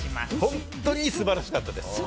本当に素晴らしかったです。